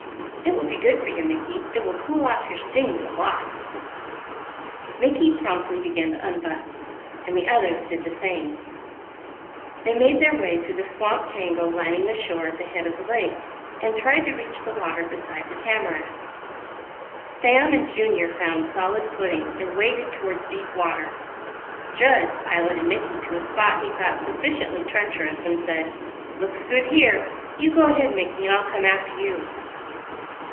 It will be good for you Mickey, it will cool off your stings a lot." Mickey promptly began to unbutton, and the others did the same. Then they made their way through the swamp tangle lining the shore at the head of the lake, and tried to reach the water beside the tamaracks. Sam and Junior found solid footing, and waded toward deep water. Jud piloted Mickey to a spot he thought sufficiently treacherous, and said: "Looks good here; you go ahead Mickey, and I'll come after you."